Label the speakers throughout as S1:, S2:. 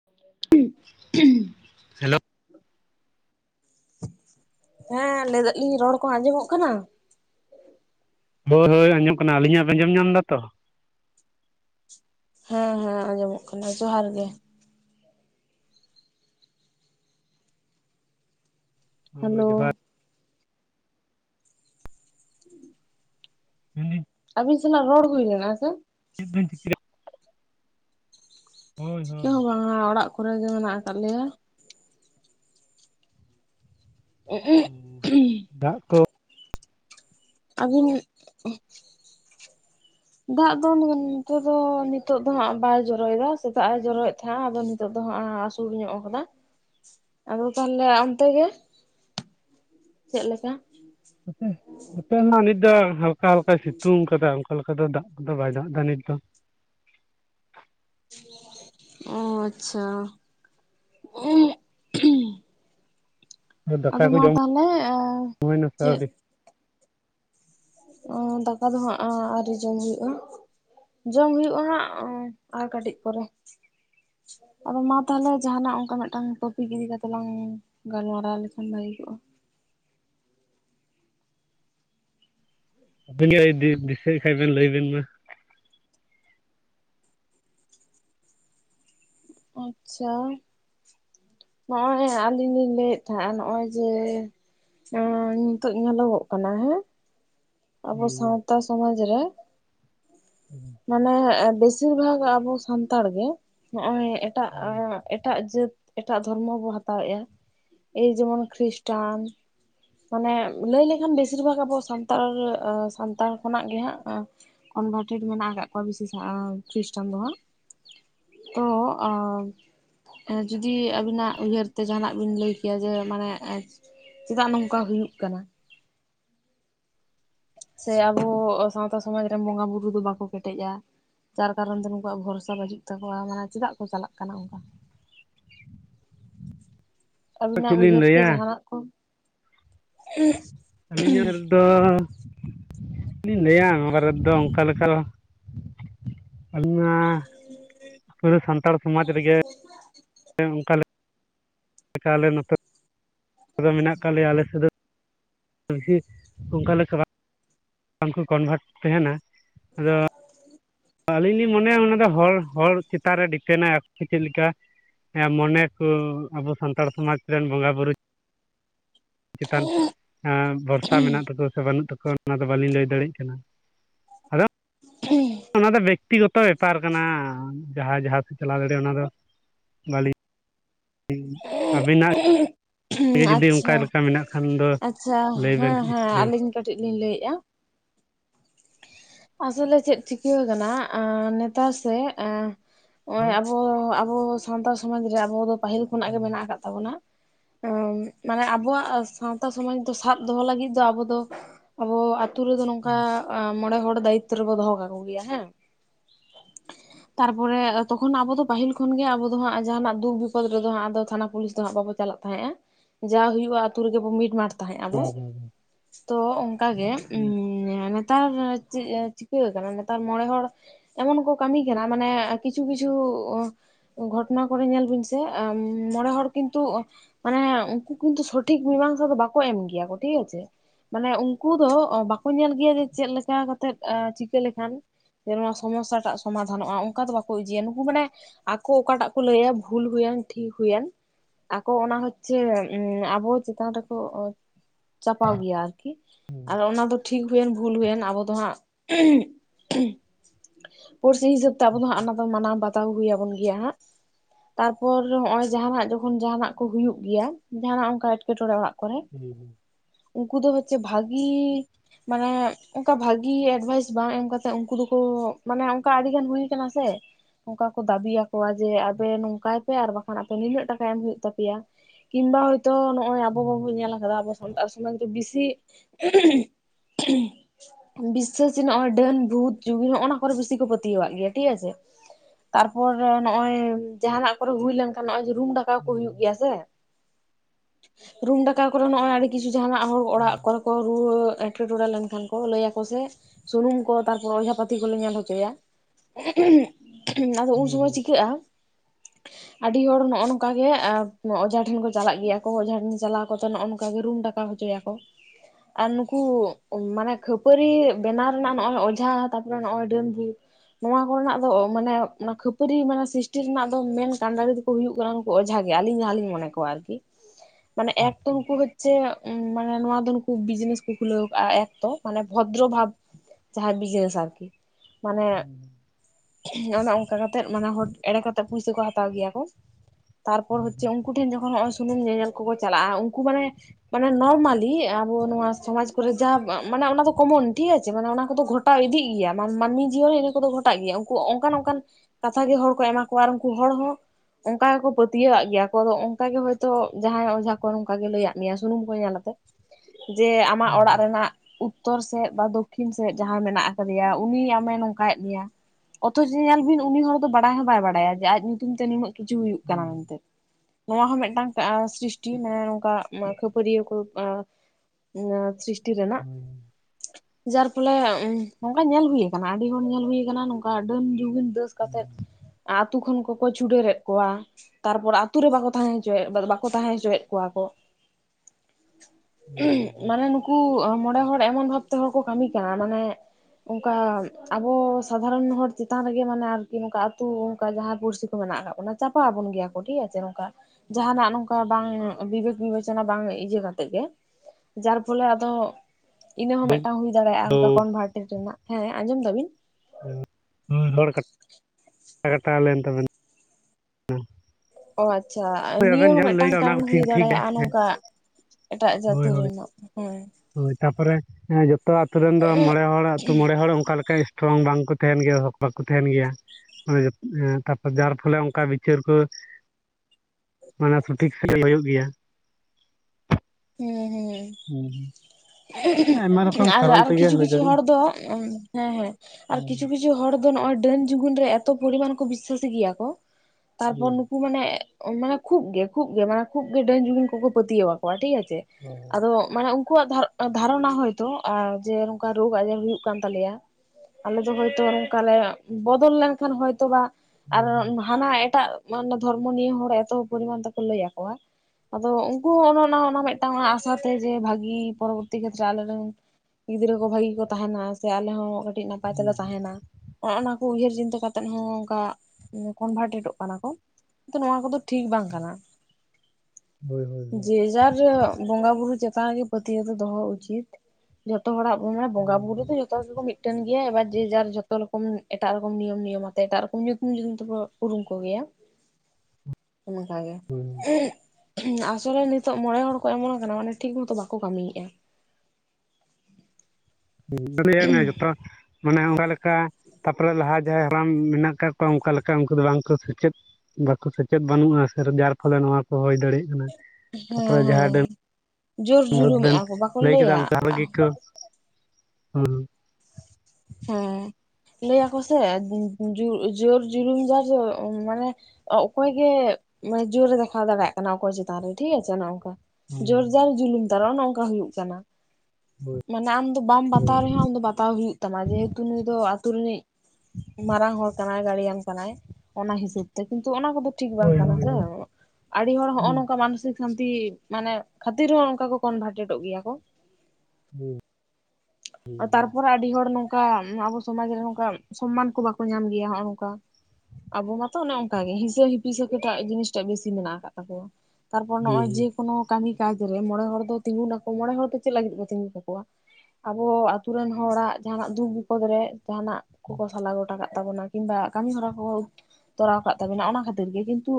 S1: [inaudible]
S2: Hello
S1: ᱦᱮᱸ ᱞᱟᱹᱭᱫᱟ ᱤᱧ ᱨᱚᱲ ᱠᱚ ᱟᱸᱡᱚᱢᱚᱜ ᱠᱟᱱᱟ?
S2: ᱦᱳᱭ ᱦᱳᱭ ᱟᱸᱡᱚᱢ ᱠᱟᱱᱟ, ᱟᱹᱞᱤᱧᱟᱜ ᱟᱸᱡᱚᱢ ᱧᱟᱢ ᱫᱟᱛᱚ?
S1: ᱦᱮᱸ ᱦᱮᱸ ᱟᱡᱚᱢᱚᱜ ᱠᱟᱱᱟ, ᱡᱚᱦᱟᱨ ᱜᱮ᱾
S2: ᱦᱩᱸ ᱫᱚ
S1: ᱦᱮᱞᱳ᱾
S2: ᱡᱚᱦᱟᱨ᱾ ᱢᱮᱱᱤ
S1: ᱟᱵᱤᱱ ᱥᱮᱱᱟᱜ ᱨᱚᱲ ᱦᱩᱭ ᱞᱮᱱᱟ ᱦᱮᱸ ᱥᱮ?
S2: ᱪᱮᱫ ᱵᱮᱱ ᱪᱤᱠᱟᱹᱭᱟ? ᱦᱳᱭ
S1: ᱪᱤᱠᱟᱹ
S2: ᱦᱳᱭ
S1: ᱦᱚᱸ ᱵᱟᱝᱟ ᱚᱲᱟᱜ ᱠᱚᱨᱮ ᱜᱮ ᱢᱮᱱᱟᱜ ᱟᱠᱟᱜ ᱞᱮᱭᱟ᱾ [unintelligible]
S2: ᱢᱩᱸ, ᱫᱟᱜ ᱠᱚ
S1: ᱟᱵᱤᱱ [unintelligible] ᱫᱟᱜ ᱫᱚ ᱱᱚᱱᱛᱮ ᱫᱚ ᱱᱤᱛᱳᱜ ᱫᱚ ᱦᱟᱸᱜ ᱵᱟᱭ ᱡᱚᱨᱚᱭᱮᱫᱟ ᱥᱮᱛᱟᱜ ᱮ ᱡᱚᱨᱚᱭᱮᱫ ᱛᱟᱦᱮᱸᱜ-ᱟ ᱟᱫᱚ ᱱᱤᱛᱚᱜ ᱫᱚ ᱦᱟᱸᱜ ᱮ ᱟᱥ᱾ ᱟᱥᱩᱨ ᱧᱚᱜ ᱠᱟᱫᱟ, ᱟᱫᱚ ᱛᱟᱦᱞᱮ ᱚᱱᱛᱮ ᱜᱮ᱾ ᱪᱮᱜ ᱞᱮᱠᱟ?
S2: ᱱᱚᱛᱮ ᱦᱚᱸ ᱱᱤᱛ ᱫᱚ ᱦᱟᱞᱠᱟ ᱦᱟᱞᱠᱟᱭ ᱥᱤᱛᱩᱝ ᱠᱟᱫᱟ᱾ ᱚᱠᱟ ᱞᱮᱠᱟ ᱫᱚ ᱫᱟᱜ ᱠᱚᱫᱚ ᱵᱟᱭ ᱫᱟᱜ ᱮᱫᱟ ᱱᱤᱛ ᱫᱚ᱾
S1: ᱟᱪᱪᱷᱟ, ᱚ᱾ ᱟᱫᱚ
S2: ᱫᱟᱠᱟ ᱠᱚ
S1: ᱢᱟ
S2: ᱡᱚᱢ
S1: ᱛᱟᱦᱞᱮ
S2: ᱦᱩᱭᱱᱟ ᱥᱮ
S1: ᱪᱮᱜ?
S2: ᱟᱹᱣᱨᱤ
S1: ᱮᱸ, ᱫᱟᱠᱟ ᱫᱚ ᱦᱟᱸᱜ ᱟᱸ ᱟᱨᱣᱨᱤ ᱡᱚᱢ ᱦᱩᱭᱩᱜ-ᱟ᱾ ᱡᱚᱢ ᱦᱩᱭᱩᱜ-ᱟ ᱦᱟᱸᱜ ᱟᱨ ᱠᱟᱹᱴᱤᱡ ᱯᱚᱨᱮ᱾ ᱟᱫᱚ ᱢᱟ ᱛᱟᱦᱞᱮ ᱡᱟᱸᱦᱟᱱᱟᱜ ᱚᱝᱠᱟ ᱢᱤᱫᱴᱟᱝ ᱴᱚᱯᱤᱠ ᱤᱫᱤ ᱠᱟᱛᱮ ᱞᱟᱝ ᱜᱟᱞᱢᱟᱨᱟᱣ ᱞᱮᱠᱷᱟᱱ ᱵᱷᱟᱹᱜᱤ ᱠᱚᱜ-ᱟ᱾
S2: ᱟᱵᱤᱱ ᱜᱮ ᱡᱩᱫᱤ ᱫᱤᱥᱟᱹᱭ ᱠᱷᱟᱡ ᱵᱮᱱ ᱞᱟᱹᱭ ᱵᱤᱱ ᱢᱟ᱾
S1: ᱟᱪᱪᱷᱟ᱾ ᱱᱚᱜᱼᱚᱭ ᱟᱹᱞᱤᱧ ᱞᱤᱧ ᱞᱟᱹᱭᱮᱫ ᱛᱟᱦᱮᱸᱜᱼᱟ ᱱᱚᱜᱼᱚᱭ ᱡᱮ ᱮᱸ ᱱᱤᱛᱚᱜ ᱧᱮᱞᱚᱜᱚᱜ ᱠᱟᱱᱟ ᱦᱮᱸ᱾ ᱟᱵᱚ ᱥᱟᱶᱛᱟ ᱥᱚᱢᱟᱡ ᱨᱮ ᱢᱟᱱᱮ ᱵᱮᱥᱤᱨ ᱵᱷᱟᱜᱽ ᱟᱵᱚ ᱥᱟᱱᱛᱟᱲ ᱜᱮ ᱱᱚᱜᱼᱚᱭ ᱮᱴᱟᱜ ᱮᱴᱟᱜ ᱡᱟᱹᱛ ᱮᱴᱟᱜ ᱫᱷᱚᱨᱢᱚ ᱵᱚ ᱦᱟᱛᱟᱣᱮᱜᱼᱟ᱾ ᱮᱭ ᱡᱮᱢᱚᱱ ᱠᱷᱤᱨᱤᱥᱴᱟᱱ᱾ ᱢᱟᱱᱮ ᱞᱟᱹᱭ ᱞᱮᱠᱷᱟᱱ ᱵᱮᱥᱤᱨ ᱵᱷᱟᱜᱽ ᱟᱵᱚ ᱥᱟᱱᱛᱟᱲ ᱥᱟᱱᱛᱟᱲ ᱦᱚᱯᱚᱱᱟᱜ ᱜᱮ ᱦᱟᱸᱜ ᱠᱚᱱᱵᱷᱟᱨᱴᱮᱰ ᱢᱮᱱᱟᱜ ᱟᱠᱟᱜ ᱠᱚᱣᱟ ᱵᱤᱥᱤᱥᱟᱜ ᱠᱷᱨᱤᱥᱴᱟᱱ ᱫᱚ ᱦᱟᱸᱜ᱾ ᱛᱚ ᱚᱸ ᱡᱩᱫᱤ ᱟᱵᱤᱱᱟᱜ ᱩᱭᱦᱟᱹᱨ ᱛᱮ ᱡᱟᱦᱟᱱᱟᱜ ᱵᱤᱱ ᱞᱟᱹᱭ ᱠᱮᱭᱟ ᱡᱮ ᱢᱟᱱᱮ ᱪᱮᱫᱟᱜ ᱱᱚᱝ ᱠᱟ ᱦᱩᱭᱩᱜ ᱠᱟᱱᱟ᱾ ᱥᱮ ᱟᱵᱚ ᱥᱟᱶᱛᱟ ᱥᱚᱢᱟᱡᱽ ᱨᱮᱱ ᱵᱚᱸᱜᱟ ᱵᱩᱨᱩ ᱫᱚ ᱵᱟᱠᱚ ᱠᱮᱴᱮᱡ-ᱟ᱾ ᱛᱟᱨ ᱠᱟᱨᱚᱱ ᱫᱚ ᱱᱩᱠᱩᱣᱟᱜ ᱵᱷᱚᱨᱥᱟ ᱵᱟᱹᱪᱩᱜ ᱛᱟᱠᱚᱣᱟ ᱢᱟᱱᱮ ᱪᱮᱫᱟᱜ ᱠᱚ ᱪᱟᱞᱟᱜ ᱠᱟᱱᱟ ᱚᱱᱠᱟ? [inaudible] ᱟᱹᱵᱤᱱᱟᱜ
S2: ᱪᱮᱫ ᱞᱤᱧ
S1: ᱩᱭᱦᱟᱹᱨ ᱛᱮ
S2: ᱞᱟᱹᱭᱟ
S1: ᱡᱟᱦᱟᱱᱟᱜ ᱠᱚ
S2: ᱟᱹᱞᱤᱧᱟᱜ ᱟᱨ ᱛᱚ ᱪᱮᱫ ᱞᱤᱧ ᱞᱟᱹᱭᱟ ᱱᱚᱣᱟ ᱵᱟᱨᱮ ᱫᱚ ᱚᱱᱠᱟ ᱞᱮᱠᱟ ᱫᱚ ᱟᱹᱞᱤᱧ ᱢᱟ ᱯᱩᱨᱟᱹ ᱥᱟᱱᱛᱟᱲ ᱥᱚᱢᱟᱡᱽ ᱨᱮᱜᱮ
S1: [inaudible]
S2: ᱥᱮ ᱚᱱᱠᱟ ᱞᱮᱠ ᱪᱮᱠᱟ ᱟᱞᱮ ᱱᱚᱛᱮ ᱢᱮᱱᱟᱜ ᱟᱠᱟᱫ ᱞᱮᱭᱟ ᱟᱞᱮ ᱥᱮᱫ ᱫᱚ ᱵᱮᱥᱤ ᱚᱱᱠᱟ ᱞᱮᱠᱟ ᱵᱟᱝᱠᱚ ᱠᱚᱱᱵᱷᱟᱴ ᱛᱟᱦᱮᱱᱟ ᱟᱫᱚ ᱟᱹᱞᱤᱧ ᱞᱤᱧ ᱢᱚᱱᱮᱭᱟ ᱚᱱᱟ ᱫᱚ ᱦᱚᱲ ᱦᱚᱲ ᱪᱮᱛᱟᱱ ᱨᱮ ᱰᱤᱯᱮᱱᱰᱟᱭ ᱟᱠᱚ ᱠᱚ ᱪᱮᱫ ᱞᱮᱠᱟ᱾ ᱮ ᱢᱚᱱᱮ ᱠᱚ ᱟᱵᱚ ᱥᱟᱱᱛᱟᱲ ᱥᱚᱢᱟᱡᱽ ᱨᱮᱱ ᱵᱚᱸᱜᱟ ᱵᱩᱨᱩ ᱪᱮᱛᱟᱱ ᱮᱸ ᱵᱷᱚᱨᱥᱟ ᱢᱮᱱᱟᱜ ᱛᱟᱠᱚᱣᱟ ᱥᱮ ᱵᱟᱹᱱᱩᱜ ᱛᱟᱠᱚᱣᱟ ᱚᱱᱟ ᱫᱚ ᱵᱟᱹᱞᱤᱧ ᱞᱟᱹᱭ ᱫᱟᱲᱮᱭᱟᱜ ᱠᱟᱱᱟ᱾ ᱟᱫᱚ ᱚᱱᱟ ᱫᱚ ᱵᱮᱠᱛᱤᱜᱚᱛᱚ ᱵᱮᱯᱟᱨ ᱠᱟᱱᱟ ᱡᱟᱦᱟᱸᱭ ᱡᱟᱦᱟᱸ ᱥᱮᱫ ᱪᱟᱞᱟᱣ ᱫᱟᱲᱮᱭᱟᱜᱼᱟ ᱚᱱᱟ ᱫᱚ ᱵᱟᱹᱞᱤᱧ [unintelligible] ᱟᱵᱤᱱᱟᱜ
S1: ᱦᱮᱸ ᱟᱪᱪᱷᱟ᱾
S2: ᱠᱷᱟᱱ ᱫᱚ
S1: ᱟᱪᱪᱷᱟ
S2: ᱞᱟᱹᱭ
S1: ᱦᱮᱸ
S2: ᱵᱮᱱ
S1: ᱦᱮᱸ
S2: ᱮᱠᱥᱯᱨᱤᱭᱮᱱᱥ
S1: ᱟᱹᱞᱤᱧ ᱠᱟᱹᱴᱤᱡ ᱞᱤᱧ ᱞᱟᱹᱭᱮᱫ-ᱟ᱾ ᱟᱥᱚᱞᱮ ᱪᱮᱫ ᱪᱤᱠᱟᱹᱣ ᱟᱠᱟᱱᱟ ᱟ ᱱᱮᱛᱟᱨ ᱥᱮ ᱮᱸ
S2: [unintelligible]
S1: ᱟᱵᱚ ᱟᱵᱚ ᱥᱟᱱᱛᱟᱲ ᱥᱚᱢᱟᱡᱽ ᱨᱮ ᱟᱵᱚ ᱫᱚ ᱯᱟᱹᱦᱤᱞ ᱠᱷᱚᱱᱟᱜ ᱜᱮ ᱢᱮᱱᱟᱜ ᱟᱠᱟᱫ ᱛᱟᱵᱚᱱᱟ᱾ ᱮᱸ ᱢᱟᱱᱮ ᱟᱵᱚᱣᱟᱜ ᱥᱟᱶᱛᱟ ᱥᱚᱢᱟᱡᱽ ᱫᱚ ᱥᱟᱵ ᱫᱚᱦᱚ ᱞᱟᱹᱜᱤᱫ ᱫᱚ ᱟᱵᱚ ᱫᱚ ᱟᱵᱚ ᱟᱹᱛᱩ ᱨᱮᱫᱚ ᱱᱚᱝᱠᱟ ᱢᱚᱬᱮ ᱮᱸ ᱦᱚᱲ ᱫᱟᱭᱤᱛᱛᱚ ᱨᱮᱵᱚ ᱫᱚᱦᱚ ᱠᱟᱠᱚ ᱜᱮᱭᱟ ᱦᱮᱸ᱾ [inaudible] ᱛᱟᱨᱯᱚᱨᱮ ᱛᱚᱠᱷᱚᱱ ᱟᱵᱚ ᱫᱚ ᱯᱟᱹᱦᱤᱞ ᱠᱷᱚᱱ ᱜᱮ ᱟᱵᱚ ᱫᱚ ᱦᱟᱸᱜ ᱡᱟᱦᱟᱱᱟᱜ ᱫᱩᱜ ᱵᱤᱯᱚᱫᱽ ᱨᱮᱫᱚ ᱦᱟᱸᱜ ᱟᱫᱚ ᱛᱷᱟᱱᱟ ᱯᱩᱞᱤᱥ ᱫᱚ ᱦᱟᱸᱜ ᱵᱟᱵᱚ ᱪᱟᱞᱟᱜ ᱛᱟᱦᱮᱸᱜᱼᱟ᱾ ᱡᱟ ᱦᱩᱭᱩᱜᱼᱟ ᱟᱹᱛᱩ ᱨᱮᱜᱮ ᱵᱚ ᱢᱤᱴ ᱢᱟᱴ ᱛᱟᱦᱮᱸᱜ ᱟᱵᱚ᱾ ᱛᱚ ᱚᱱᱠᱟ ᱜᱮ ᱱᱮᱛᱟᱨ ᱪᱮᱜ ᱪᱤᱠᱟᱹᱣ ᱠᱟᱱᱟ ᱱᱮᱛᱟᱨ ᱢᱚᱬᱮ ᱦᱚᱲ ᱮᱢᱚᱱ ᱠᱚ ᱠᱟᱹᱢᱤ ᱠᱟᱱᱟ ᱢᱟᱱᱮ ᱠᱤᱪᱷᱩ ᱠᱤᱪᱷᱩ ᱜᱷᱚᱴᱱᱟ ᱠᱚᱨᱮ ᱧᱮᱞ ᱵᱤᱱ ᱥᱮ ᱮᱸ ᱢᱚᱬᱮ ᱦᱚᱲ ᱠᱤᱱᱛᱩ ᱢᱥᱱᱮ ᱩᱱᱠᱩ ᱠᱤᱱᱛᱩ ᱥᱚᱴᱷᱤᱠ ᱢᱤᱢᱟᱝᱥᱟ ᱫᱚ ᱵᱟᱠᱚ ᱮᱢ ᱜᱮᱭᱟ ᱠᱚ ᱴᱷᱤᱠ ᱟᱪᱷᱮ᱾ ᱢᱟᱱᱮ ᱩᱱᱠᱩ ᱫᱚ ᱵᱟᱠᱚ ᱧᱮᱞ ᱜᱮᱭᱟ ᱡᱮ ᱪᱮᱫ ᱞᱮᱠᱟ ᱠᱟᱛᱮᱜ ᱪᱤᱠᱟᱹ ᱞᱮᱠᱷᱟᱱ ᱡᱮ ᱱᱚᱣᱟ ᱥᱚᱢᱚᱥᱥᱟ ᱴᱟᱜ ᱥᱚᱢᱟᱫᱷᱟᱱᱚᱜᱼᱟ ᱚᱱᱠᱟ ᱫᱚ ᱵᱟᱠᱚ ᱤᱡᱤᱭᱟ᱾ ᱱᱩᱠᱩ ᱢᱟᱱᱮ ᱟᱠᱚ ᱚᱠᱟᱴᱟᱜ ᱠᱚ ᱞᱟᱹᱭᱟ ᱵᱷᱩᱞ ᱦᱩᱭᱮᱱ ᱴᱷᱤᱠ ᱦᱩᱭᱮᱱ᱾ ᱟᱠᱚ ᱚᱱᱟ ᱦᱚᱪᱪᱷᱮ ᱟᱵᱚ ᱪᱮᱛᱟᱱ ᱨᱮᱠᱚ ᱚᱛ ᱪᱟᱯᱟᱣ ᱜᱤᱭᱟ ᱟᱨᱠᱤ ᱟᱨ ᱚᱱᱟ ᱫᱚ ᱴᱷᱤᱠ ᱦᱩᱭᱮᱱ ᱵᱷᱩᱞ ᱦᱩᱭᱮᱱ ᱟᱵᱚ ᱫᱚ ᱦᱟᱸᱜ ᱯᱟᱹᱨᱥᱤ ᱦᱤᱥᱟᱹᱵ ᱛᱮ ᱟᱵᱚ ᱫᱚ ᱦᱟᱸᱜ ᱚᱱᱟ ᱫᱚ ᱢᱟᱱᱟᱣ ᱵᱟᱛᱟᱣ ᱦᱩᱭ ᱟᱵᱚᱱ ᱜᱮᱭᱟ ᱦᱟᱸᱜ ᱛᱟᱨᱯᱚᱨ ᱦᱚᱜ-ᱚᱭ ᱡᱟᱦᱟᱱᱟᱜ ᱡᱚᱠᱷᱚᱱ ᱡᱟᱦᱟᱱᱟᱜ ᱠᱚ ᱦᱩᱭᱩᱜ ᱜᱤᱭᱟ ᱡᱟᱦᱟᱱᱟᱜ ᱚᱱᱠᱟ ᱮᱴᱠᱮᱴᱚᱬᱮ ᱚᱲᱟᱜ ᱠᱚᱨᱮ ᱩᱱᱠᱩ ᱫᱚ ᱦᱚᱪᱪᱮ ᱵᱷᱟᱜᱤ ᱢᱟᱱᱮ ᱚᱱᱠᱟ ᱵᱷᱟᱜᱤ ᱮᱰᱵᱷᱟᱭᱤᱥ ᱵᱟᱝ ᱮᱢ ᱠᱟᱛᱮ ᱩᱱᱠᱩ ᱫᱚᱠᱚ ᱢᱟᱱᱮ ᱚᱱᱠᱟ ᱟᱹᱰᱤ ᱜᱟᱱ ᱦᱩᱭ ᱠᱟᱱᱟ ᱥᱮ ᱚᱱᱠᱟ ᱠᱚ ᱫᱟᱵᱤ ᱟᱠᱚᱣᱟ ᱡᱮ ᱟᱵᱮ ᱱᱩᱝᱠᱟᱭ ᱯᱮ ᱟᱨ ᱵᱟᱠᱷᱟᱱ ᱟᱯᱮ ᱱᱤᱱᱟᱹᱜ ᱴᱟᱠᱟ ᱮᱢ ᱦᱩᱭᱩᱜ ᱛᱟᱯᱮᱭᱟ ᱠᱤᱢᱵᱟ ᱦᱚᱭᱛᱳ ᱱᱚᱜ ᱦᱮᱸ ᱟᱵᱚ ᱢᱟᱵᱩ ᱧᱮᱞ ᱟᱠᱟᱫᱟ ᱟᱵᱚᱣᱟᱜ ᱥᱟᱱᱛᱟᱲ ᱥᱚᱢᱟᱡ ᱨᱮ ᱵᱤᱥᱤ ᱵᱤᱥᱥᱟᱹᱥ ᱦᱮᱱᱚᱜ-ᱟ ᱰᱟᱹᱱ ᱵᱷᱩᱛ ᱡᱩᱜᱤᱱ ᱦᱚᱸ-ᱚᱱᱟ ᱠᱚᱨᱮ ᱵᱤᱥᱤ ᱠᱚ ᱯᱟᱹᱛᱭᱟᱹᱣᱟᱜ ᱜᱮᱭᱟ ᱴᱷᱤᱠ ᱟᱪᱷᱮ ᱛᱟᱨᱯᱚᱨ ᱱᱚᱜ-ᱚᱭ ᱡᱟᱦᱱᱟᱜ ᱠᱚᱨᱮ ᱦᱩᱭ ᱞᱮᱱᱠᱷᱟᱱ ᱱᱚᱜᱚᱭ ᱡᱮ ᱨᱩᱢ ᱰᱟᱠ ᱠᱟᱣ ᱠᱚ ᱦᱩᱭᱩᱜ ᱜᱮᱭᱟ ᱥᱮ ᱨᱩᱢ ᱰᱟᱠᱟᱣ ᱠᱚᱨᱮ ᱱᱚᱜᱼᱚᱭ ᱟᱹᱰᱤ ᱠᱤᱪᱷᱩ ᱡᱟᱦᱱᱟᱜ ᱦᱚᱲ ᱚᱲᱟᱜ ᱠᱚᱨᱮ ᱠᱚ ᱨᱩᱣᱟᱹ ᱮᱴᱠᱮᱴᱚᱬᱮ ᱞᱮᱱᱠᱷᱟᱱ ᱠᱚ ᱞᱟᱹᱭᱟᱠᱚ ᱥᱮ ᱥᱩᱱᱩᱢ ᱠᱚ ᱛᱟᱨᱯᱚᱨ ᱚᱡᱷᱟ ᱯᱟᱛᱤ ᱠᱚᱞᱮ ᱧᱮᱞ ᱦᱚᱪᱚᱭᱟ ᱟᱫᱚ ᱩᱱ ᱥᱚᱢᱚᱭ ᱪᱤᱠᱟᱹᱜᱼᱟ ᱟᱹᱰᱤ ᱦᱚᱲ ᱱᱚᱜᱼᱚ ᱱᱚᱝᱠ ᱜᱮ ᱚᱡᱷᱟ ᱴᱷᱮᱱ ᱠᱚ ᱪᱟᱞᱟᱜ ᱜᱮᱭᱟ ᱠᱚ ᱚᱡᱷᱟ ᱴᱷᱮᱱ ᱪᱟᱞᱟᱣ ᱠᱟᱛᱮ ᱱᱚᱜᱼᱚᱭ ᱱᱚᱝᱠᱟ ᱜᱮ ᱨᱩᱢ ᱰᱟᱠᱟᱣ ᱦᱚᱪᱚᱭᱟ ᱠᱚ ᱟᱨ ᱱᱩᱠᱩ ᱢᱟᱱᱮ ᱠᱷᱟᱹᱯᱟᱹᱨᱤ ᱵᱮᱱᱟᱣ ᱨᱮᱱᱟᱜ ᱱᱚᱜᱼᱚᱭ ᱚᱡᱷᱟ ᱛᱟᱯᱚᱨᱮ ᱱᱚᱜᱼᱚᱭ ᱰᱟᱹᱱ ᱵᱷᱩᱛ ᱱᱚᱣᱟ ᱠᱚᱨᱮᱱᱟᱜ ᱫᱚ ᱢᱟᱱᱮ ᱚᱱᱟ ᱠᱷᱟᱹᱯᱟᱹᱨᱤ ᱢᱟᱱᱮ ᱥᱨᱤᱥᱴᱤ ᱨᱮᱱᱟᱜ ᱫᱚ ᱢᱮᱱ ᱠᱟᱱᱰᱟᱨᱤ ᱫᱚ ᱠᱚ ᱦᱩᱭᱩᱜ ᱠᱟᱱᱟ ᱩᱱᱠᱩ ᱚᱡᱷᱟ ᱜᱮ ᱟᱞᱤᱧ ᱡᱟᱦᱟᱸᱞᱤᱧ ᱢᱚᱱᱮ ᱠᱚᱣᱟ ᱟᱨᱠᱤ ᱢᱟᱱᱮ ᱮᱠ ᱛᱚ ᱱᱩᱠᱩ ᱦᱚᱪᱪᱷᱮ ᱢᱟᱱᱮ ᱱᱚᱣᱟ ᱫᱚ ᱱᱩᱠᱩ ᱵᱤᱡᱱᱮᱥ ᱠᱚ ᱠᱷᱩᱞᱟᱹᱣ ᱟᱠᱟᱜ-ᱟ ᱮᱠ ᱛᱚ ᱢᱟᱱᱮ ᱵᱷᱚᱫᱨ ᱵᱷᱟᱵ ᱡᱟᱦᱟᱸ ᱵᱤᱡᱱᱮᱥ ᱟᱨᱠᱤ ᱢᱟᱱᱮ ᱚᱱᱮ ᱚᱱᱠᱟ ᱠᱟᱛᱮᱜ ᱢᱟᱱᱮ ᱦᱚᱲ ᱮᱲᱮ ᱠᱟᱛᱮᱜ ᱯᱩᱭᱥᱟᱹ ᱠᱚ ᱦᱟᱛᱟᱣ ᱜᱮᱭᱟ ᱠᱚ ᱛᱟᱨᱯᱚᱨ ᱦᱚᱪᱪᱷᱮ ᱩᱱᱠᱩ ᱴᱷᱮᱱ ᱡᱚᱠᱷᱚᱱ ᱦᱚᱜ-ᱚᱭ ᱥᱩᱱᱩᱢ ᱧᱮᱧᱮᱞ ᱠᱚᱠᱚ ᱪᱟᱞᱟᱜᱼᱟ ᱩᱱᱠᱩ ᱢᱟᱱᱮ ᱢᱟᱱᱮ ᱱᱚᱨᱢᱟᱞᱤ ᱟᱵᱚ ᱱᱳᱣᱟ ᱥᱚᱢᱟᱡ ᱠᱚᱨᱮ ᱡᱟ ᱢᱟᱱᱮ ᱚᱱᱟ ᱫᱚ ᱠᱚᱢᱚᱱ ᱴᱷᱤᱠ ᱟᱪᱷᱮ ᱢᱟᱱᱮ ᱚᱱᱟ ᱠᱚᱫᱚ ᱜᱷᱚᱴᱟᱣ ᱤᱫᱤᱜ ᱜᱮᱭᱟ ᱢᱟᱹᱱᱢᱤ ᱡᱤᱭᱚᱱ ᱨᱮ ᱤᱱᱟᱹ ᱠᱚᱫᱚ ᱜᱷᱚᱴᱟᱜ ᱜᱮᱭᱟ ᱩᱱᱠᱩ ᱚᱱᱠᱟᱱ ᱚᱱᱠᱟᱱ ᱠᱟᱛᱷᱟ ᱜᱮ ᱦᱚᱲ ᱠᱚ ᱮᱢᱟ ᱠᱚᱣᱟ ᱟᱨ ᱩᱱᱠᱩ ᱦᱚᱲ ᱦᱚᱸ ᱚᱱᱠᱟ ᱜᱮᱠᱚ ᱯᱟᱹᱛᱭᱟᱹᱣ ᱟᱜ ᱜᱮᱭᱟ ᱠᱚ ᱟᱫᱚ ᱚᱱᱠᱟᱜ ᱜᱮ ᱦᱚᱭᱛᱳ ᱡᱟᱦᱟᱸᱭ ᱚᱡᱷᱟ ᱠᱚ ᱱᱚᱝᱠᱟ ᱜᱮ ᱞᱟᱹᱭᱟᱜ ᱢᱮᱭᱟᱭ ᱥᱩᱱᱩᱢ ᱠᱚ ᱧᱮᱞ ᱟᱛᱮ ᱡᱮ ᱟᱢᱟᱜ ᱚᱲᱟᱜ ᱨᱮᱱᱟᱜ ᱩᱛᱛᱚᱨ ᱥᱮᱫ ᱵᱟ ᱫᱚᱠᱠᱷᱤᱱ ᱥᱮᱫ ᱡᱟᱦᱟᱸᱭ ᱢᱮᱱᱟᱜ ᱟᱠᱟᱫᱮᱭᱟ ᱩᱱᱤ ᱟᱢᱮ ᱱᱚᱝᱠᱟᱭᱮᱜ ᱢᱮᱭᱟ ᱚᱛᱷᱚᱪᱚ ᱧᱮᱞ ᱵᱤᱱ ᱩᱱᱤ ᱦᱚᱲ ᱫᱚ ᱵᱟᱲᱟᱭ ᱦᱚᱸ ᱵᱟᱭ ᱵᱟᱲᱟᱭᱟ ᱡᱮ ᱟᱡ ᱧᱩᱛᱩᱢ ᱛᱮ ᱱᱩᱱᱟᱹᱜ ᱠᱤᱪᱷᱩ ᱦᱩᱭᱩᱜ ᱠᱟᱱᱟ ᱢᱮᱱᱛᱮ ᱱᱚᱣᱟ ᱦᱚᱸ ᱢᱤᱫᱴᱟᱝ ᱥᱨᱤᱥᱴᱤ ᱢᱟᱱᱮ ᱱᱚᱝᱠᱟ ᱠᱷᱟᱹᱯᱟᱹᱨᱤᱭᱟᱹ ᱠᱩ ᱥᱨᱤᱥᱴᱤ ᱨᱮᱱᱟᱜ ᱡᱟᱨ ᱯᱷᱚᱞᱮ ᱱᱚᱝᱠᱟ ᱧᱮᱞ ᱦᱩᱭ ᱟᱠᱟᱱᱟ ᱟᱹᱰᱤ ᱦᱚᱲ ᱧᱮᱞ ᱦᱩᱭ ᱟᱠᱟᱱᱟ ᱱᱚᱝᱠᱟ ᱰᱟᱹᱱ ᱡᱩᱜᱤᱱ ᱫᱳᱥ ᱠᱟᱛᱮᱫ ᱟᱛᱩ ᱠᱷᱚᱱ ᱠᱚᱠᱚ ᱪᱩᱰᱟᱹᱨ ᱮᱫ ᱠᱚᱣᱟ ᱛᱟᱨᱯᱚᱨ ᱟᱛᱩ ᱨᱮ ᱵᱟᱠᱚ ᱛᱟᱦᱮᱸ ᱦᱚᱪᱚᱭᱮᱫ ᱵᱟᱠᱚ ᱛᱟᱦᱮᱸ ᱦᱚᱪᱚᱭᱮᱫ ᱠᱚᱣᱟ ᱠᱚ
S2: ᱦᱩᱸ ᱦᱩᱸ ᱦᱩᱸ
S1: ᱢᱟᱱᱮ ᱱᱩᱠᱩ ᱢᱚᱬᱮ ᱦᱚᱲ ᱮᱢᱚᱱ ᱵᱷᱟᱵ ᱛᱮᱦᱚᱸ ᱠᱚ ᱠᱟᱢᱤ ᱠᱟᱱᱟ ᱢᱟᱱᱮ ᱚᱱᱠᱟ ᱟᱵᱚ ᱥᱟᱫᱷᱟᱨᱚᱱ ᱦᱚᱲ ᱪᱮᱛᱟᱱ ᱨᱮᱜᱮ ᱢᱟᱱᱮ ᱟᱨᱠᱤ ᱱᱚᱝᱠᱟ ᱟᱛᱩ ᱚᱱᱠᱟ ᱡᱟᱦᱟᱸ ᱯᱩᱲᱥᱤ ᱠᱚ ᱢᱮᱱᱟᱜ ᱠᱟᱜ ᱵᱚᱱᱟ ᱪᱟᱯᱟᱣ ᱟᱵᱚᱱ ᱜᱮᱭᱟ ᱠᱚ ᱴᱷᱤᱠ ᱟᱪᱷᱮ ᱱᱚᱝᱠᱟ ᱡᱟᱦᱟᱱᱟᱜ ᱱᱚᱝᱠᱟ ᱵᱟᱝ ᱵᱤᱵᱮᱠ ᱵᱤᱵᱮᱪᱚᱱᱟ ᱵᱟᱝ ᱤᱭᱟᱹ ᱠᱟᱛᱮᱜ ᱜᱮ ᱡᱟᱨ ᱯᱷᱚᱞᱮ ᱟᱫᱚ ᱤᱱᱟᱹ ᱦᱚᱸ
S2: ᱫᱚ
S1: ᱢᱤᱫᱴᱟᱝ ᱦᱩᱭ ᱫᱟᱲᱮᱭᱟᱜᱼᱟ
S2: ᱫᱚ
S1: ᱚᱱᱠᱟ ᱠᱚᱱᱵᱷᱟᱨᱴ ᱨᱮᱱᱟᱜ ᱦᱮᱸ ᱟᱸᱡᱚᱢ ᱫᱟᱵᱤᱱ
S2: ᱦᱚᱲ ᱠᱟᱴᱟ ᱠᱟᱴᱟ ᱞᱮᱱ ᱛᱟᱵᱮᱱᱟ
S1: ᱚ ᱟᱪᱪᱷᱟ
S2: ᱦᱳᱭ
S1: ᱱᱤᱭᱟᱹ
S2: ᱟᱵᱮᱱ
S1: ᱦᱚᱸ
S2: ᱡᱟᱦᱟᱸ ᱵᱮᱱ ᱞᱟᱹᱭ
S1: ᱢᱤᱫᱴᱟᱝ
S2: ᱠᱮᱫᱟ ᱚᱱᱟ ᱠᱚ
S1: ᱠᱟᱨᱚᱱ ᱦᱩᱭ
S2: ᱴᱷᱤᱠ ᱴᱷᱤᱠ ᱜᱮ
S1: ᱫᱟᱲᱮᱭᱟᱜᱼᱟ ᱱᱚᱝᱠᱟ ᱮᱴᱟᱜ
S2: ᱦᱳᱭ
S1: ᱡᱟᱛᱤ
S2: ᱦᱳᱭ
S1: ᱨᱮᱱᱟᱜ ᱦᱩᱸ
S2: ᱦᱳᱭ ᱛᱟᱯᱚᱨᱮ ᱡᱚᱛᱚ ᱟᱛᱩ ᱨᱮᱱ ᱫᱚ ᱢᱚᱬᱮ ᱦᱚᱲ ᱟᱹᱛᱩ ᱢᱚᱬᱮ ᱦᱚᱲ ᱚᱱᱠᱟ ᱞᱮᱠᱟ ᱚᱝ ᱵᱟᱝᱠᱚ ᱛᱟᱦᱮᱱ ᱜᱮᱭᱟ ᱦᱚᱠ ᱵᱟᱠᱚ ᱛᱟᱦᱮᱱ ᱜᱮᱭᱟ᱾ ᱢᱟᱱᱮ ᱛᱟᱨᱯᱚᱨ ᱡᱟᱨ ᱯᱷᱚᱞᱮ ᱚᱱᱠᱟ ᱵᱤᱪᱟᱹᱨ ᱠᱚ ᱢᱟᱱᱮ ᱥᱚᱴᱷᱤᱠ ᱥᱮᱫ ᱦᱳᱭᱳᱜ ᱜᱮᱭᱟ ᱾
S1: ᱦᱩᱸ ᱦᱩ ᱸ
S2: ᱦᱮᱸ ᱦᱩᱸ
S1: ᱟᱨ ᱟᱨ ᱠᱤᱪᱷᱩ
S2: ᱦᱩᱭ
S1: ᱠᱤᱪᱷᱩ ᱦᱚᱲ
S2: ᱫᱟᱲᱮᱭᱟᱜᱼᱟ
S1: ᱫᱚ ᱦᱮᱸ ᱦᱮᱸ ᱟᱨ
S2: ᱦᱮᱸ
S1: ᱠᱤᱪᱷᱩ ᱠᱤᱪᱷᱩ ᱦᱚᱲ ᱫᱚ ᱱᱚᱜᱚᱭ ᱰᱟᱹᱱ ᱡᱩᱜᱩᱱ ᱨᱮ ᱮᱛᱚ ᱯᱚᱨᱤᱢᱟᱱ ᱠᱚ ᱵᱤᱥᱟᱹᱥ ᱜᱮᱭᱟ ᱠᱚ ᱛᱟᱨᱯᱚᱨ
S2: ᱦᱮᱸ
S1: ᱱᱩᱠᱩ ᱢᱟᱱᱮ ᱢᱟᱱᱮ ᱠᱷᱩᱵ ᱜᱮ ᱠᱷᱩᱵ ᱜᱮ ᱢᱟᱱᱮ ᱠᱷᱩᱵ ᱜᱮ ᱰᱟᱹᱱ ᱡᱩᱜᱤᱱ ᱠᱚᱠᱚ ᱯᱟᱹᱛᱭᱟᱹᱣᱟᱠᱚᱣᱟ ᱴᱷᱤᱠ ᱟᱪᱷᱮ
S2: ᱦᱳᱭ
S1: ᱟᱫᱚ ᱢᱟᱱᱮ ᱩᱱᱠᱩᱣᱟᱜ ᱫᱷᱟᱨ ᱫᱷᱟᱨᱚᱱᱟ ᱦᱚᱭᱛᱳ ᱟᱨ ᱡᱮ ᱱᱚᱝᱠᱟ ᱨᱳᱜᱽ ᱟᱡᱟᱨ ᱦᱩᱭᱩᱜ ᱠᱟᱱ ᱛᱟᱞᱮᱭᱟ ᱟᱞᱮ ᱫᱚ ᱦᱳᱭᱛᱳ ᱱᱚᱝᱠᱟ ᱞᱮ ᱵᱚᱫᱚᱞ ᱞᱮᱱᱠᱷᱟᱱ ᱦᱚᱭᱛᱳ ᱵᱟ ᱟᱨ
S2: ᱦᱳᱭ ᱦᱳᱭ
S1: ᱦᱟᱱᱟ ᱮᱴᱟᱜ ᱢᱟᱱᱮ ᱫᱷᱚᱨᱢᱚ ᱱᱤᱭᱟᱹ ᱦᱚᱲ ᱮᱛᱚ ᱯᱚᱨᱤᱢᱟᱱ ᱛᱮᱠᱚ ᱞᱟᱹᱭᱟᱠᱚᱣᱟ ᱾ ᱟᱫᱚ ᱩᱱᱠᱩ ᱦᱚᱸ ᱚᱱ ᱚᱱᱟ ᱢᱤᱫᱴᱟᱝ ᱟᱥᱟᱛᱮ ᱡᱮ ᱵᱷᱟᱹᱜᱤ ᱯᱚᱨᱚᱵᱚᱨᱛᱤ ᱠᱷᱮᱛᱨᱮ ᱟᱞᱮᱨᱮᱱ ᱜᱤᱫᱽᱨᱟᱹ ᱠᱚ ᱵᱷᱟᱹᱜᱤ ᱠᱚ ᱛᱟᱦᱮᱱᱟ ᱥᱮ ᱟᱞᱮ ᱦᱚᱸ ᱠᱟᱹᱴᱤᱡ ᱱᱟᱯᱟᱭ ᱛᱮᱞᱮ ᱛᱟᱦᱮᱱᱟ ᱾ ᱱᱚᱜ ᱚᱱᱟ ᱠᱚ ᱩᱭᱦᱟᱹᱨ ᱪᱤᱱᱛᱟᱹ ᱠᱟᱛᱮᱫ ᱦᱚᱸ ᱚᱱᱠᱟ ᱠᱚᱱᱵᱷᱟᱨᱴᱮᱰᱚᱜ ᱠᱟᱱᱟ ᱠᱚ ᱾ ᱛᱚ ᱱᱚᱣᱟ ᱠᱚᱫᱚ ᱴᱷᱤᱠ ᱵᱟᱝ ᱠᱟᱱᱟ ᱾
S2: ᱦᱳᱭ ᱦᱳᱭ ᱦᱳᱭ ᱦᱳᱭ
S1: ᱡᱮᱡᱟᱨ ᱵᱚᱸᱜᱟ ᱵᱩᱨᱩ ᱪᱮᱛᱟᱱ ᱨᱮᱜ ᱯᱟᱹᱛᱭᱟᱹᱣ ᱫᱚᱦᱚ ᱩᱪᱤᱛ ᱾ ᱡᱚᱛᱚ ᱦᱚᱲᱟᱜᱮ ᱵᱚᱸᱜᱟ
S2: ᱦᱳᱭ
S1: ᱵᱩᱨᱩ ᱫᱚ ᱡᱚᱛᱚ ᱨᱚᱠᱚᱢ ᱢᱤᱫᱴᱮᱱ ᱜᱮᱭᱟ ᱮᱟᱨ ᱡᱮ ᱡᱟᱨ ᱡᱷᱚᱛᱚ ᱨᱚᱠᱚᱢ ᱮᱴᱟᱜ ᱨᱚᱠᱚᱢ ᱱᱤᱭᱚᱢ ᱱᱤᱭᱚᱢ ᱟᱛ ᱮᱴᱟᱜ ᱨᱚᱠᱚᱢ ᱧᱩᱛᱩᱢ ᱧᱩᱛᱩᱢ ᱛᱮ ᱩᱨᱩᱢ ᱠᱚ ᱜᱮᱭᱟ ᱾ ᱚᱱᱠᱟᱜᱮ, ᱟᱥᱚᱞᱮ ᱱᱤᱛᱚᱜ ᱢᱚᱬᱮ ᱦᱚᱲ ᱮᱢᱚᱱ ᱟᱠᱟᱱᱟ ᱢᱟᱱᱮ ᱴᱷᱤᱠ ᱢᱚᱛᱚ ᱵᱟᱠᱚ ᱠᱟᱹᱢᱤᱭᱮᱜᱼᱟ᱾
S2: ᱢᱮ [unintelligible] ᱡᱚᱛᱚ ᱾ ᱢᱟᱱᱮ ᱚᱱᱠᱟ ᱞᱮᱠᱟ ᱛᱟᱯᱚᱨᱮ ᱞᱟᱦᱟ ᱡᱟᱦᱟᱸᱭ ᱦᱟᱲᱟᱢ ᱢᱮᱱᱟᱜ ᱟᱠᱟᱫ ᱠᱚᱣᱟ ᱚᱱᱠᱟ ᱞᱮᱠᱟ ᱩᱱᱠᱩ ᱫᱚ ᱵᱟᱝᱠᱚ ᱥᱮᱪᱮᱫ ᱵᱟᱠᱚ ᱥᱮᱪᱮᱫ ᱵᱟᱹᱱᱩᱜᱼᱟ, ᱥᱮ ᱡᱟᱨ ᱯᱷᱚᱞᱮ ᱱᱚᱣᱟ ᱠᱚ ᱦᱩᱭ ᱫᱟᱲᱮᱭᱟᱜ ᱠᱟᱱᱟ᱾
S1: ᱦᱮᱸ
S2: ᱛᱟᱯᱚᱨᱮ ᱡᱟᱦᱟᱸ
S1: ᱦᱮᱸ
S2: ᱰᱟᱹᱱ
S1: ᱡᱳᱨ
S2: ᱵᱮᱱ
S1: ᱡᱩᱞᱩᱢᱮᱫᱼᱟ ᱠᱚ ᱵᱟᱠᱚ
S2: ᱞᱟᱹᱭ ᱠᱮᱫᱟ
S1: ᱞᱟᱹᱭᱟ
S2: ᱩᱱᱠᱩ ᱟᱨᱚ ᱜᱮᱠᱚ ᱦᱩᱸ ᱾
S1: ᱦᱮᱸ ᱞᱟᱹᱭ ᱟᱠᱚ ᱥᱮ ᱡᱚᱨ ᱡᱩᱨᱩ ᱩᱢ ᱡᱟᱨ ᱢᱟᱱᱮ ᱚᱠᱚᱭ ᱜᱮ ᱢᱟᱱᱮ ᱡᱳᱨᱮ ᱮ ᱫᱮᱠᱷᱟᱣ ᱫᱟᱲᱮᱭᱟᱜ ᱠᱟᱱᱟ ᱚᱠᱚᱭ ᱪᱮᱛᱟᱱ ᱨᱮ ᱴᱷᱤᱠ ᱟᱪᱷᱮ ᱱᱚ ᱱᱚᱝᱠᱟ ᱾
S2: ᱦᱩᱸ
S1: ᱡᱳᱨᱡᱟᱨ ᱡᱩᱞᱩᱢ ᱛᱟᱨᱚ ᱚᱱᱮ ᱚᱱᱠᱟ ᱦᱩᱭᱩᱜ ᱠᱟᱱᱟ ᱢᱟᱱᱮ ᱟᱢ ᱫᱚ ᱵᱟᱢ ᱵᱟᱛᱟᱣ ᱨᱮᱦᱚᱸ ᱟᱢ ᱫᱚ ᱵᱟᱛᱟᱣ ᱦᱩᱭᱩᱜ ᱛᱟᱢᱟ ᱡᱮᱦᱮᱛᱩ ᱱᱩᱭ ᱫᱚ ᱟᱛᱳ ᱨᱤᱱᱤᱡ ᱢᱟᱨᱟᱝ ᱦᱚᱲ ᱠᱟᱱᱟᱭ ᱜᱟᱲᱭᱟᱱ ᱠᱟᱱᱟᱭ ᱚᱱᱟ ᱦᱤᱥᱟᱹᱵ ᱠᱤᱱᱛᱩ ᱚᱱᱟ ᱠᱚᱫᱚ ᱴᱷᱤᱠ ᱵᱟᱝ
S2: ᱦᱳᱭ
S1: ᱠᱟᱱᱟ
S2: ᱦᱳᱭ ᱦᱳᱭ
S1: ᱥᱮ,
S2: ᱦᱩᱸ
S1: ᱟᱹᱰᱤ ᱦᱚᱲ ᱦᱚᱸᱜᱼᱚ
S2: ᱦᱩᱸ
S1: ᱱᱚᱝᱠᱟ ᱢᱟᱱᱥᱤᱠ, ᱥᱟᱱᱛᱤ ᱢᱟᱱᱮ ᱠᱷᱟᱹᱛᱤᱨ ᱦᱚᱸ ᱚᱱᱠᱟ ᱠᱚ ᱠᱚᱱᱵᱷᱟᱨᱴᱮᱴᱚᱜ ᱜᱮᱭᱟ ᱠᱚ ᱾
S2: ᱦᱩᱸ
S1: ᱛᱟᱨᱯᱚᱨᱮ ᱟᱹᱰᱤ ᱦᱚᱲ ᱱᱚᱝᱠᱟ ᱟᱵᱚ ᱥᱚᱢᱟᱡ ᱨᱮ ᱱᱚᱝᱠᱟ ᱥᱚᱢᱢᱟᱱ ᱠᱚ ᱵᱟᱠᱚ ᱧᱟᱢ ᱜᱮᱭᱟ ᱱᱚᱜᱼᱱᱚᱝᱠᱟ᱾ ᱟᱵᱚ ᱢᱟᱛᱚ ᱚᱱᱮ ᱚᱱᱠᱟᱜᱮ ᱦᱤᱥᱟᱹ ᱦᱤᱯᱤᱥᱟᱹᱴᱟᱜ ᱡᱤᱱᱤᱥᱴᱟᱜ ᱵᱮᱥᱤ ᱢᱮᱱᱟᱜ ᱟᱠᱟ ᱟᱜ ᱛᱟᱵᱚᱣᱟ ᱾ ᱛᱟᱨᱯᱚᱨ ᱱᱚᱜᱼᱚᱭ
S2: ᱦᱩᱸ
S1: ᱡᱮᱠᱳᱱᱳ ᱠᱟᱹᱢᱤ ᱠᱟᱡᱽ ᱨᱮ ᱢᱚᱬᱮ ᱦᱚᱲ ᱫᱚ ᱛᱤᱸᱜᱩ ᱱᱟᱠᱚ ᱢᱚᱬᱮ ᱦᱚᱲ ᱫᱚ ᱪᱮᱫ ᱞᱟᱹᱜᱤᱫ ᱠᱚ ᱛᱤᱸᱜᱩ ᱠᱟᱠᱚᱣᱟ? ᱟᱵᱚ ᱟᱛᱩᱨᱮᱱ ᱦᱚᱲᱟᱜ ᱡᱟᱦᱱᱟᱜ ᱫᱩᱠ ᱵᱤᱯᱚᱫ ᱨᱮ ᱡᱟᱦᱟᱱᱟᱜ ᱠᱚᱠᱚ ᱥᱟᱞᱟ ᱜᱚᱴᱟ ᱠᱟᱜ ᱛᱟᱵᱚᱱᱟ ᱾ ᱠᱤᱢᱵᱟ ᱠᱟᱹᱢᱤ ᱦᱚᱨᱟ ᱠᱚᱦᱚᱸ ᱛᱚᱨᱟᱣ ᱠᱟᱫ ᱛᱟᱵᱮᱱᱟ ᱚᱱᱟ ᱠᱷᱟᱹᱛᱤᱨ ᱜᱮ ᱠᱤᱱᱛᱩ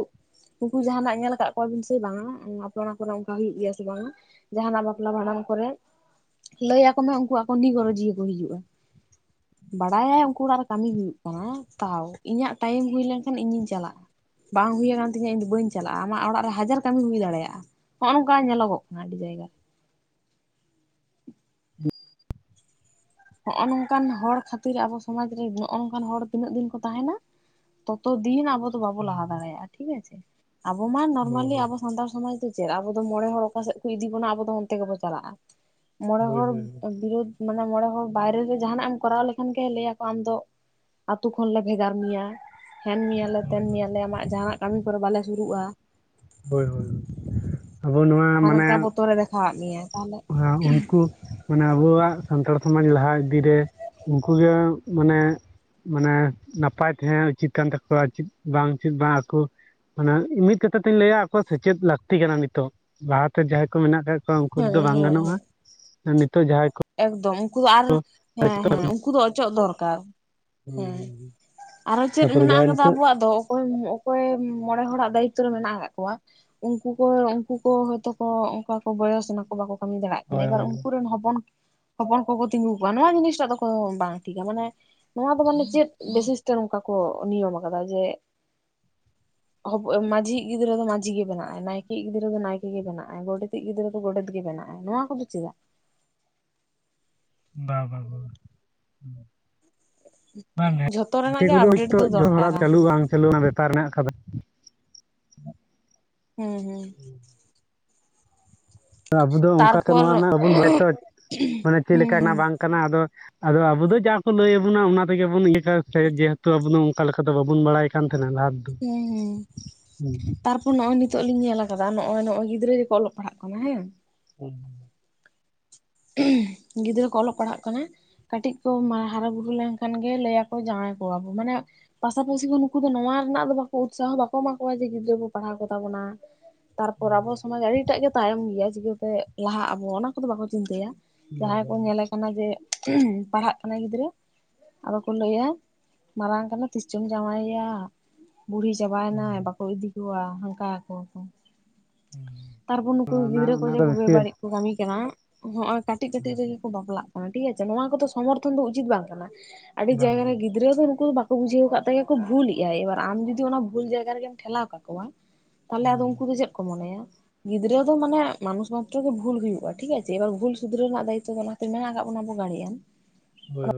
S1: ᱩᱱᱠᱩ ᱡᱟᱦᱱᱟᱜ ᱧᱮᱞ ᱟᱠᱟᱫ ᱠᱚᱣᱟᱵᱤᱱ ᱥᱮ ᱵᱟᱝ ᱼᱟ ᱟᱯᱮ ᱚᱱᱟ ᱠᱚᱨᱮ ᱚᱱᱠᱟ ᱦᱩᱭᱩᱜ ᱜᱮᱭᱟ ᱥᱮ ᱵᱟᱝᱟ? ᱡᱟᱦᱱᱟᱜ ᱵᱟᱯᱞᱟ ᱵᱷᱟᱸᱰᱟᱱ ᱠᱚᱨᱮ ᱞᱟᱹᱭ ᱟᱠᱚ ᱢᱮ ᱩᱱᱠᱩ ᱟᱠᱚ ᱱᱤᱜᱚᱨᱚ ᱚᱡᱤᱭᱟᱹ ᱠᱚ ᱦᱤᱡᱩᱜᱼᱟ ᱾ ᱵᱟᱲᱟᱭᱟᱭ ᱩᱱᱠᱩ ᱚᱲᱟᱜ ᱨᱮ ᱠᱟᱹᱢᱤ ᱦᱩᱭᱩᱜ ᱠᱟᱱᱟ ᱛᱟᱣ ᱤᱧᱟᱹᱜ ᱴᱟᱭᱤᱢ ᱦᱩᱭ ᱞᱮᱱᱠᱷᱟᱱ ᱤᱧᱤᱧ ᱪᱟᱞᱟᱜᱼᱟ ᱾ ᱵᱟᱝ ᱦᱩᱭ ᱟᱠᱟᱱ ᱛᱤᱧᱟᱹ ᱤᱧ ᱫᱚ ᱵᱟᱹᱧ ᱪᱟᱞᱟᱜᱼᱟ, ᱟᱢᱟᱜ ᱚᱲᱟᱜ ᱨᱮ ᱦᱟᱡᱟᱨ ᱠᱟᱹᱢᱤ ᱦᱩᱭ ᱫᱟᱲᱮᱭᱟᱜᱼᱟ ᱾ ᱱᱚᱜᱼ ᱱᱚᱝᱠᱟ ᱧᱮᱞᱚᱜᱚᱜ ᱠᱟᱱᱟ ᱟᱹᱰᱤ ᱡᱟᱭᱜᱟ ᱦᱚᱜᱼᱚ ᱱᱚᱝᱠᱟᱱ ᱦᱚᱲ ᱠᱷᱟᱛᱤᱨ ᱟᱵᱚ ᱥᱚᱢᱟᱡᱽ ᱨᱮ ᱱᱚᱜᱼᱚ ᱱᱚᱝᱠᱟᱱ ᱦᱚᱲ ᱛᱤᱱᱟᱹᱜ ᱫᱤᱱ ᱠᱚ ᱛᱟᱦᱮᱱᱟ ᱛᱚᱛᱚ ᱫᱤᱱ ᱟᱵᱚ ᱫᱚ ᱵᱟᱵᱚ ᱞᱟᱦᱟ ᱫᱟᱲᱮᱭᱟᱜᱼᱟ ᱴᱷᱤᱠ ᱟᱪᱷᱮ, ᱟᱵᱚ ᱢᱟ
S2: ᱦᱳ
S1: ᱱᱚᱨᱢᱟᱞᱤ
S2: ᱦᱳ
S1: ᱟᱵᱚ ᱥᱟᱱᱛᱟᱲ ᱥᱚᱢᱟᱡᱽ ᱫᱚ ᱪᱮᱫ ᱟᱵᱚ ᱢᱚᱬᱮ ᱦᱚᱲ ᱚᱠᱟᱥᱮᱫ ᱠᱚ ᱤᱫᱤ ᱵᱚᱱᱟ ᱟᱵᱚ ᱫᱚ ᱚᱱᱛᱮ ᱜᱮᱵᱚ ᱪᱟᱞᱟᱜᱼᱟ, ᱢᱚᱬᱮ
S2: ᱦᱳᱭ
S1: ᱦᱚᱲ
S2: ᱦᱳᱭ ᱦᱳᱭ
S1: ᱵᱤᱨᱩᱫ ᱢᱟᱱᱮ ᱢᱚᱬᱮ ᱦᱚᱲ ᱵᱟᱭᱨᱮ ᱨᱮ ᱡᱟᱦᱱᱟᱜ ᱮᱢ ᱠᱚᱨᱟᱣ ᱞᱮᱠᱷᱟᱱ ᱜᱮ ᱞᱟᱹᱭ ᱟᱠᱚ ᱟᱢ ᱫᱚ ᱟᱛᱩ ᱠᱷᱚᱱ ᱞᱮ ᱵᱷᱮᱜᱟᱨ ᱢᱮᱭᱟ, ᱦᱮᱱ ᱢᱮᱭᱟᱞᱮ
S2: ᱦᱳᱭ
S1: ᱛᱮᱱ ᱢᱮᱭᱟᱞᱮ ᱟᱢᱟᱜ ᱡᱟᱦᱟᱱᱟᱜ ᱠᱟᱹᱢᱤ ᱠᱚᱨᱮ ᱵᱟᱞᱮ ᱥᱩᱨᱩᱜᱼᱟ ᱾
S2: ᱦᱳᱭ ᱦᱳᱭ ᱾ ᱟᱵᱚ ᱱᱚᱣᱟ ᱢᱟᱱᱮ
S1: ᱦᱟᱱᱠᱟ ᱵᱚᱛᱚᱨᱮ ᱫᱮᱠᱷᱟᱣᱟᱫ ᱢᱮᱭᱟ ᱾
S2: ᱦᱮᱸ ᱩᱱᱠᱩ ᱢᱟᱱᱮ ᱟᱵᱩᱣᱟᱜ ᱥᱟᱱᱛᱟᱲ ᱥᱚᱢᱟᱡᱽ ᱞᱟᱦᱟ ᱤᱫᱤ ᱨᱮ ᱩᱱᱠᱩ ᱜᱮ ᱢᱟᱱᱮ ᱢᱟᱱᱮ ᱱᱟᱯᱟᱭ ᱛᱟᱦᱮᱸ ᱩᱪᱤᱛ ᱠᱟᱱ ᱛᱟᱠᱚᱣᱟ ᱪᱮᱫ ᱵᱟᱝ ᱪᱮᱫ ᱵᱟᱝ ᱟᱠᱚ ᱢᱟᱱᱮ ᱢᱤᱫ ᱠᱟᱛᱷᱟ ᱛᱮᱧ ᱞᱟᱹᱭᱟ ᱟᱠᱚ ᱥᱮᱪᱮᱫ ᱞᱟᱹᱠᱛᱤ ᱠᱟᱱᱟ ᱱᱤᱛᱚᱜ ᱞᱟᱦᱟᱛᱮ ᱡᱟᱦᱟᱸᱭ ᱠᱚ ᱢᱮᱱᱟᱜ ᱟᱠᱟᱫ ᱠᱚᱣᱟ ᱩᱱᱠᱩ
S1: ᱦᱮᱸ
S2: ᱫᱚ ᱵᱟᱝ
S1: ᱦᱮᱸ
S2: ᱜᱟᱱᱚᱜᱼᱟ
S1: ᱦᱮᱸ ᱾
S2: ᱱᱤᱛᱚᱜ ᱡᱟᱦᱟᱭ ᱠᱚ
S1: ᱮᱠᱫᱚᱢ ᱩᱱᱠᱩ ᱫᱚ ᱟᱨ, ᱦᱮᱸ ᱦᱮᱸ ᱩᱱᱠᱩ ᱫᱚ ᱚᱪᱚᱜ ᱫᱚᱨᱠᱟᱨ ᱾ ᱦᱮᱸ, ᱟᱨᱚ ᱪᱮᱫ
S2: ᱛᱟᱯᱚᱨᱮ
S1: ᱢᱮᱱᱟᱜ
S2: ᱡᱟᱦᱟᱸᱭ
S1: ᱟᱠᱟᱫᱟ
S2: ᱱᱤᱛᱚᱜ
S1: ᱟᱵᱚᱣᱟᱜ ᱫᱚ ᱚᱠᱚᱭᱮᱢ ᱚᱠᱚᱭᱮᱢ ᱢᱚᱬᱮ ᱦᱚᱲᱟᱜ ᱫᱟᱭᱤᱛᱛᱚ ᱨᱮ ᱢᱮᱱᱟᱜ ᱟᱠᱟᱫ ᱠᱚᱣᱟ, ᱩᱱᱠᱩ ᱠᱚ ᱩᱱᱠᱩ ᱠᱚ ᱦᱚᱭᱛᱳ ᱠᱚ ᱚᱱᱠᱟ ᱠᱚ ᱵᱚᱭᱚᱥ ᱮᱱᱟ ᱠᱚ ᱵᱟᱠᱚ ᱠᱟᱹᱢᱤ ᱫᱟᱲᱮᱜ ᱠᱟᱱᱟ
S2: ᱦᱳᱭ
S1: ᱮᱵᱟᱨ
S2: ᱦᱳᱭ
S1: ᱩᱱᱠᱩ ᱨᱮᱱ ᱦᱚᱯᱚᱱ ᱦᱚᱯᱚᱱ ᱠᱚᱠᱚ ᱛᱤᱸᱜᱩ ᱠᱚᱣᱟ ᱱᱚᱣᱟ ᱡᱤᱱᱤᱥᱴᱟᱜ ᱫᱚ ᱠᱚ ᱵᱟᱝ ᱴᱷᱤᱠᱟ ᱾ ᱢᱟᱱᱮ ᱱᱚᱣᱟ ᱫᱚ ᱢᱟᱱᱮ ᱪᱮᱫ ᱵᱤᱥᱤᱥ ᱛᱮ ᱱᱚᱝᱠᱟ ᱠᱚ ᱱᱤᱭᱚᱢ ᱠᱟᱫᱟ ᱡᱮ ᱢᱟᱡᱷᱤ ᱣᱤᱡ ᱜᱤᱫᱽᱨᱟᱹ ᱫᱚ ᱢᱟᱹᱡᱷᱤ ᱜᱮ ᱵᱮᱱᱟᱜ ᱟᱭ, ᱱᱟᱭᱠᱮ ᱤᱡ ᱜᱤᱫᱽᱨᱟᱹ ᱫᱚ ᱱᱟᱭᱠᱮ ᱜᱮ ᱵᱮᱱᱟᱜᱼᱟᱭ, ᱜᱚᱰᱮᱛ ᱤᱡ ᱜᱤᱫᱽᱨᱟᱹ ᱫᱚ ᱜᱚᱰᱮᱛ ᱜᱮ ᱵᱮᱱᱟᱜᱼᱟ ᱾ ᱱᱚᱣᱟ ᱠᱚᱫᱚ ᱪᱮᱫᱟᱜ?
S2: ᱵᱟ ᱵᱟ ᱵᱟ ᱾ ᱵᱟᱝ ᱜᱮ
S1: ᱡᱷᱚᱛᱚ
S2: ᱜᱟᱛᱮ
S1: ᱨᱮᱱᱟᱜ ᱜᱮ
S2: ᱠᱚᱫᱚ
S1: ᱟᱯᱰᱮᱴ
S2: ᱦᱚᱳᱭᱛᱳ
S1: ᱫᱚ
S2: ᱡᱷᱚᱜᱲᱟ
S1: ᱫᱚᱨᱠᱟᱨᱟ
S2: ᱪᱟᱹᱞᱩ ᱵᱟᱝ ᱪᱟᱹᱞᱩ ᱨᱮᱱᱟᱜ ᱵᱮᱯᱟᱨ ᱦᱮᱱᱟᱜ ᱠᱟᱫᱟ ᱾
S1: ᱦᱩᱸ ᱦᱩᱸ ᱾
S2: [unintelligible] ᱟᱵᱚ ᱫᱚ ᱚᱱᱠᱟ ᱛᱚ
S1: ᱛᱟᱨᱯᱚᱨ
S2: ᱱᱚᱣᱟ ᱨᱮᱱᱟᱜ ᱵᱟᱵᱚᱱ ᱵᱟᱲᱟᱭᱟ ᱛᱚ ᱢᱟᱱᱮ ᱪᱮᱫ
S1: ᱦᱩᱸ
S2: ᱞᱮᱠᱟᱱᱟ
S1: ᱦᱩᱸ
S2: ᱵᱟᱝ ᱠᱟᱱᱟ, ᱟᱫᱚ ᱟᱫᱚ ᱟᱵᱚ ᱫᱚ ᱡᱟ ᱠᱚ ᱞᱟᱹᱭ ᱟᱵᱚᱱᱟ ᱚᱱᱟ ᱛᱮᱜᱮᱵᱚᱱ ᱤᱭᱟᱹ ᱠᱟᱜ-ᱟ ᱥᱮ ᱡᱮᱦᱮᱛᱩ ᱟᱵᱚ ᱫᱚ ᱚᱱᱠᱟ ᱞᱮᱠᱟ ᱫᱚ ᱵᱟᱵᱚᱱ ᱵᱟᱲᱟᱭ ᱠᱟᱱ ᱛᱟᱦᱮᱸᱱᱟ ᱞᱟᱦᱟ
S1: ᱦᱩᱸ ᱦᱩᱸ, ᱛᱟᱨᱯ ᱱᱚᱜᱼᱚᱭ ᱱᱤᱛᱚᱜ ᱞᱤᱧ ᱧᱮᱞ ᱟᱠᱟᱫᱟ ᱱᱚᱜᱼᱚᱭ ᱱᱚᱜ-ᱚᱭ ᱜᱤᱫᱽᱨᱟᱹ ᱜᱮᱠᱚ ᱚᱞᱚᱜ ᱯᱟᱲᱦᱟᱜ ᱠᱟᱱᱟ ᱦᱮᱸ ᱾
S2: ᱦᱩᱸ ᱾
S1: ᱜᱤᱫᱽᱨᱟᱹ ᱠᱚ ᱚᱞᱚᱜ ᱯᱟᱲᱦᱟᱜ ᱠᱟᱱᱟ ᱠᱟᱹᱴᱤᱡ ᱠᱚ ᱢᱟ ᱦᱟᱨᱟ ᱵᱩᱨᱩ ᱞᱮᱱᱠᱷᱟᱱ ᱜᱮ ᱞᱟᱹᱭᱟ ᱠᱚ ᱡᱟᱶᱟᱭ ᱠᱚᱣᱟ ᱵᱚ ᱢᱟᱱᱮ ᱯᱟᱥᱟᱯᱟᱥᱤ ᱠᱷᱚᱱ ᱱᱩᱠᱩ ᱫᱚ ᱱᱚᱣᱟ ᱨᱮᱱᱟᱜ ᱫᱚ ᱵᱟᱠᱚ ᱩᱛᱥᱟᱦᱚ ᱵᱟᱠᱚ ᱮᱢᱟ ᱠᱚᱣᱟ ᱡᱮ ᱜᱤᱫᱽᱨᱟᱹ ᱵᱚᱱ ᱯᱟᱲᱦᱟᱣ ᱠᱚᱛᱟ ᱵᱚᱱᱟ ᱾ ᱛᱟᱨᱯᱚᱨ ᱟᱵᱚ
S2: ᱦᱩᱸ
S1: ᱥᱚᱢᱟᱡᱽ ᱟᱹᱰᱤ ᱴᱟᱜ ᱜᱮ ᱛᱟᱭᱚᱢ ᱜᱮᱭᱟ ᱪᱤᱠᱟᱹ ᱛᱮ ᱞᱟᱦᱟᱜ ᱟᱵᱚ ᱚᱱᱟ ᱠᱚᱫᱚ ᱵᱟᱠᱚ ᱪᱤᱱᱛᱟᱹᱭᱟ ᱾
S2: ᱵᱟ
S1: ᱡᱟᱦᱟᱭ
S2: ᱵᱟ
S1: ᱠᱚ ᱧᱮᱞᱮ ᱠᱟᱱᱟ ᱡᱮ ᱯᱟᱲᱦᱟᱜ ᱠᱟᱱᱟᱭ ᱜᱤᱫᱽᱨᱟᱹ ᱟᱫᱚ ᱠᱚ ᱞᱟᱹᱭᱟ ᱢᱟᱨᱟᱝ ᱠᱟᱱᱟ ᱛᱤᱥ ᱪᱚᱢ ᱡᱟᱶᱟᱭᱮᱭᱟ ᱵᱩᱲᱦᱤ
S2: ᱵᱟ
S1: ᱪᱟᱵᱟᱭᱱᱟᱭ ᱵᱟᱠᱚ ᱤᱫᱤ ᱠᱚᱣᱟ ᱦᱟᱱᱠᱟᱣᱟ ᱠᱚᱣᱟ ᱠᱚ ᱾ ᱛᱟᱨᱯᱚᱨ ᱱᱩᱠᱩ
S2: ᱚᱱᱟ
S1: ᱜᱤᱫᱽᱨᱟᱹ ᱠᱚ
S2: ᱚᱱᱟ
S1: ᱡᱮ
S2: ᱫᱚ
S1: ᱵᱮ
S2: ᱵᱮᱥᱤ
S1: ᱵᱟᱹᱲᱤᱡ ᱠᱚ ᱠᱟᱹᱢᱤ ᱠᱟᱱᱟ ᱦᱚᱸᱜᱼᱚᱭ ᱠᱟᱹᱴᱤᱡ ᱠᱟᱹᱴᱤᱡ ᱨᱮᱜᱮ ᱠᱚ ᱵᱟᱯᱞᱟᱜ ᱠᱟᱱᱟ ᱴᱷᱤᱠ ᱟᱪᱷᱮ ᱱᱚᱣᱟ ᱠᱚᱫᱚ ᱥᱚᱢᱚᱨᱛᱷᱚᱱ ᱫᱚ ᱩᱪᱤᱛ ᱵᱟᱝ ᱠᱟᱱᱟ ᱾ ᱟᱹᱰᱤ
S2: ᱵᱟᱝ
S1: ᱡᱟᱭᱜᱟ ᱨᱮ
S2: ᱵᱟᱝ
S1: ᱜᱤᱫ ᱜᱤᱫᱽᱨᱟᱹ ᱫᱚ ᱱᱩᱠᱩ ᱵᱟᱠᱚ ᱵᱩᱡᱷᱟᱹᱣ ᱟᱠᱟᱫ ᱛᱮᱜᱮ ᱠᱚ ᱵᱷᱩᱞᱮᱫᱼᱟᱭ ᱮᱵᱟᱨ ᱟᱢ ᱡᱩᱫᱤ ᱚᱱᱟ ᱵᱷᱩᱞ ᱡᱟᱭᱜᱟ ᱨᱮᱜᱮᱢ ᱴᱷᱮᱞᱟᱣ ᱠᱟ ᱠᱚᱣᱟ ᱾ ᱛᱟᱦᱚᱞᱮ ᱟᱫᱚ ᱩᱱᱠᱩ ᱫᱚ ᱪᱮᱫ ᱠᱚ ᱢᱚᱱᱮᱭᱟ ᱜᱤᱫᱽᱨᱟᱹ ᱫᱚ ᱢᱟᱱᱮ ᱢᱟᱱᱩᱥ ᱢᱟᱛᱨᱚ ᱜᱮ ᱵᱷᱩᱞ ᱦᱩᱭᱩᱜᱼᱟ ᱴᱷᱤᱠ ᱟᱪᱷᱮ ᱾ ᱮᱵᱟᱨ ᱵᱷᱩᱞ ᱥᱩᱫᱷᱨᱟᱹ ᱨᱮᱱᱟᱜ ᱫᱟᱭᱤᱛᱛᱚ ᱫᱚ ᱚᱱᱟᱛᱮ ᱢᱮᱱᱟᱜ ᱠᱟᱜ ᱵᱚᱱᱟ ᱵᱚ ᱜᱟᱲᱤᱭᱮᱱ᱾
S2: ᱦᱳᱭ ᱦᱳᱭ᱾